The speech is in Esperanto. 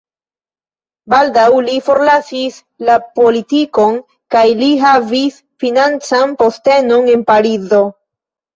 Baldaŭ li forlasis la politikon kaj li havis financan postenon en Parizo.